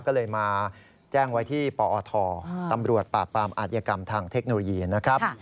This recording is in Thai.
ก็เลยมาแจ้งไว้ที่ปอทตำรวจปราบปรามอาธิกรรมทางเทคโนโลยีนะครับ